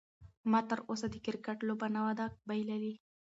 ما تر اوسه د کرکټ لوبه نه ده بایللې.